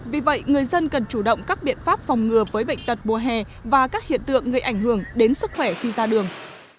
vì vậy người dân cần chủ động các biện pháp phòng ngừa với bệnh tật mùa hè và các hiện tượng gây ảnh hưởng đến sức khỏe khi ra đường